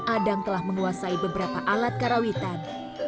adang telah menguasai beberapa alat karawitan